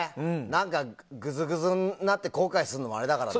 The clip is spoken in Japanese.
グズグズになって後悔するのもあれだからね。